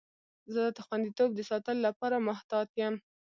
زه د خوندیتوب د ساتلو لپاره محتاط یم.